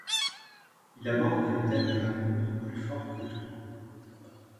Il aborde le thème de l'amour, plus fort que tout.